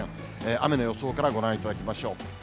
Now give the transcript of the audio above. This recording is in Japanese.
雨の予想からご覧いただきましょう。